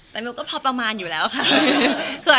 แต่มิวก็พอประมาณอยู่แล้วค่ะ